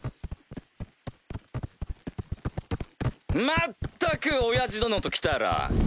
まったく親父殿と来たら。